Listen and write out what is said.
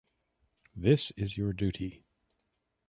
This is your duty.